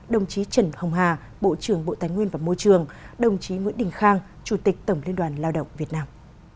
đồng chí trần hồng hà bộ trưởng bộ tài nguyên và môi trường đồng chí nguyễn đình khang chủ tịch tổng liên đoàn lao động việt nam